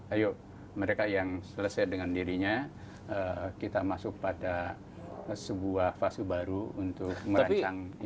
ayo mereka yang selesai dengan dirinya kita masuk pada sebuah fase baru untuk merancang